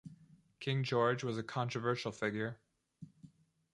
King George was a controversial figure.